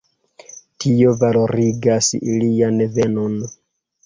Tio valorigas ilian venon.